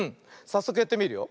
さっそくやってみるよ。